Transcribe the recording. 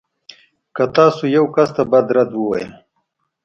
که تاسو يو کس ته بد رد وویل.